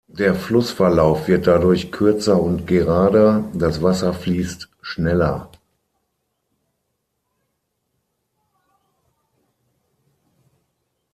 Der Flussverlauf wird dadurch kürzer und gerader; das Wasser fließt schneller.